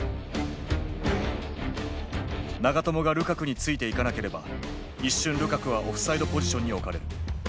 長友がルカクについていかなければ一瞬ルカクはオフサイドポジションに置かれる。